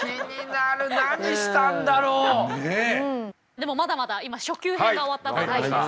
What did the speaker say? でもまだまだ今初級編が終わったばかりでして。